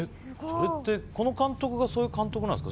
この監督がそういう監督なんですか？